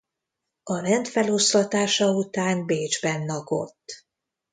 A rend feloszlatása után Bécsben lakott.